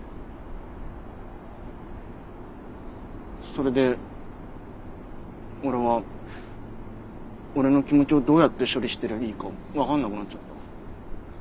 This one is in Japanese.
それで俺は俺の気持ちをどうやって処理したらいいか分かんなくなっちゃった。